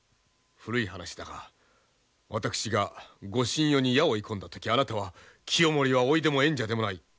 古い話だが私がご神輿に矢を射込んだ時あなたは「清盛は甥でも縁者でもない。